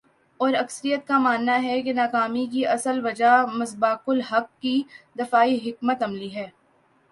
اور اکثریت کا ماننا ہے کہ ناکامی کی اصل وجہ مصباح الحق کی دفاعی حکمت عملی ہے ۔